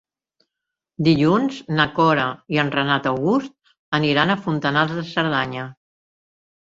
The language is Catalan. Dilluns na Cora i en Renat August aniran a Fontanals de Cerdanya.